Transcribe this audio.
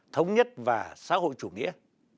thống nhất và xã hội chủ nghĩa